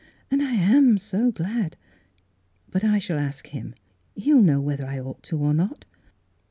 And I am so glad! But I shall ask him, he'll know whether I ought to or not."